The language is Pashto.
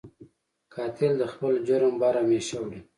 قاتل د خپل جرم بار همېشه وړي